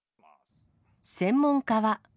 専門家は。